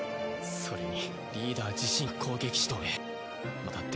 それにリーダー自身が攻撃してくるとはね。